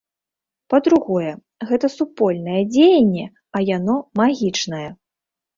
Па-другое, гэта супольнае дзеянне, а яно магічнае.